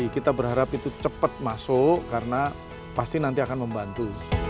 kita berharap itu cepat masuk karena pasti nanti akan membantu